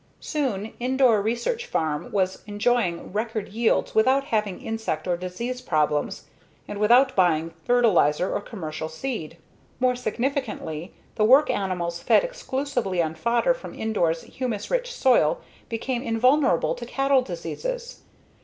Soon, Indore research farm was enjoying record yields without having insect or disease problems, and without buying fertilizer or commercial seed. More significantly, the work animals, fed exclusively on fodder from Indore's humus rich soil, become invulnerable to cattle diseases.